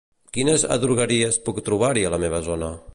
Quines adrogueries puc trobar-hi a la meva zona?